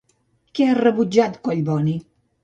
Què ha rebutjat Collboni?